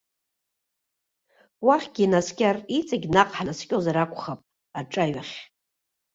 Уахьгьы инаскьар, иҵегь наҟ ҳнаскьозар акәхап, аҿаҩахь.